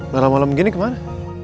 malam malam gini kemana